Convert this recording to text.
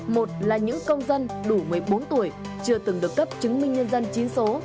một là những công dân đủ một mươi bốn tuổi chưa từng được cấp chứng minh nhân dân chín số